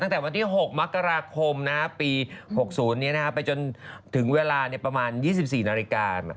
ตั้งแต่วันที่๖มกราคมปี๖๐ไปจนถึงเวลาประมาณ๒๔นาฬิกา